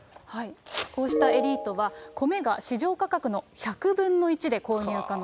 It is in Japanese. こうしたエリートは、米が市場価格の１００分の１で購入可能。